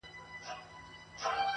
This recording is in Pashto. لنډۍ په غزل کي، اوومه برخه٫